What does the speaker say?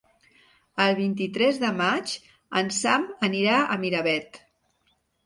El vint-i-tres de maig en Sam anirà a Miravet.